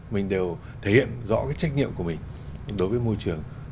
mình đều thể hiện rõ cái trách nhiệm của mình đối với môi trường